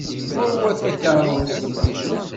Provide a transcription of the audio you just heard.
Ɣur-wet takeṛṛust!